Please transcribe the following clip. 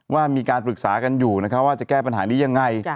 ว่ามีการปรึกษากันอยู่นะครับว่าจะแก้ปัญหานี้ยังไง